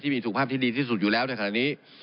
ที่มีสุขภาพดีสุดอยู่แล้วในขณะนี้